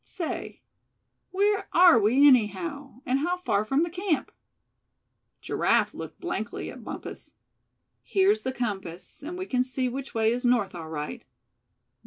Say, where are we anyhow, and how far from the camp?" Giraffe looked blankly at Bumpus. "Here's the compass, and we c'n see which way is north, all right.